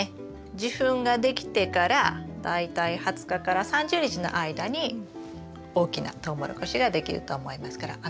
受粉ができてから大体２０日から３０日の間に大きなトウモロコシができると思いますからあと１か月弱ですね。